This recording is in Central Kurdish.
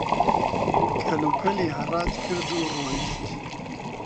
کەل-پەلی هەڕاج کرد و ڕۆیشت